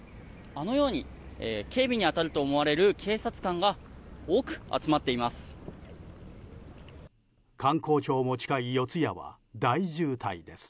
あのように警備に当たると思われる警察官が多く集まっています。